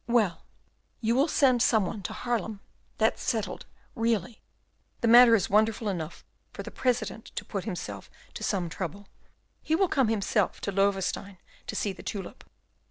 Well, you will send some one to Haarlem, that's settled; really, the matter is wonderful enough for the President to put himself to some trouble. He will come himself to Loewestein to see the tulip."